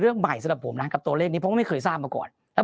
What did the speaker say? เรื่องใหม่สำหรับผมนะกับตัวเลขนี้ผมไม่เคยทราบมาก่อนแล้ว